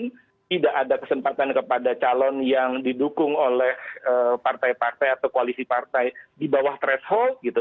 kemudian tidak ada kesempatan kepada calon yang didukung oleh partai partai atau koalisi partai di bawah threshold gitu